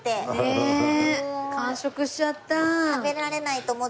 ねえ完食しちゃった。